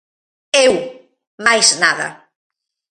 Eu, máis nada.